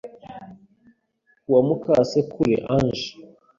Ku wa Mukasekure Ange